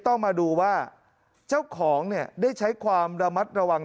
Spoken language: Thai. ต้องมาดูว่าเจ้าของเนี่ยได้ใช้ความระมัดระวัง